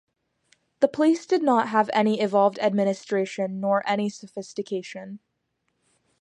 The place did not have any evolved administration nor any sophistication.